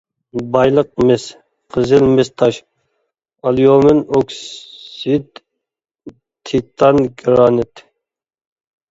بايلىق مىس، قىزىل مىس تاش، ئاليۇمىن ئوكسىد، تىتان، گىرانىت.